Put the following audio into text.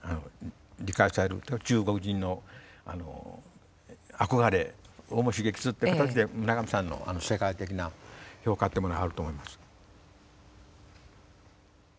中国人の憧れをも刺激するっていう形で村上さんのあの世界的な評価ってものがあると思います。